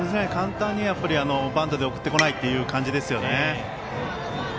簡単にはバントで送ってこないという感じですよね。